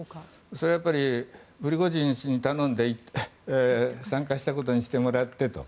それはプリゴジン氏に頼んで参加したことにしてもらってと。